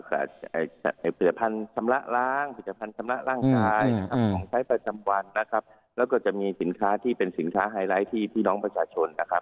ของใช้ประจำวันนะครับแล้วก็จะมีสินค้าที่เป็นสินค้าไฮไลท์ที่พี่น้องประชาชนนะครับ